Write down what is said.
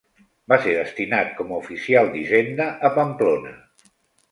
Va ser destinat com a oficial d'Hisenda a Pamplona.